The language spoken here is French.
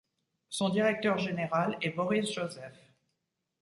Son directeur général est Boris Joseph.